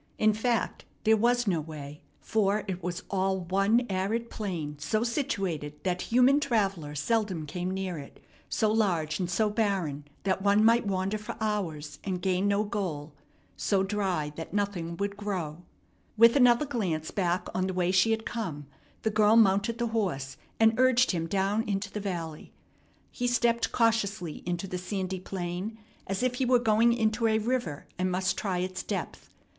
In fact, there was no way, for it was all one arid plain so situated that human traveller seldom came near it, so large and so barren that one might wander for hours and gain no goal, so dry that nothing would grow. With another glance back on the way she had come, the girl mounted the horse and urged him down into the valley. He stepped cautiously into the sandy plain, as if he were going into a river and must try its depth.